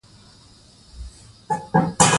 افغانستان د نورستان په اړه مشهور تاریخی روایتونه لري.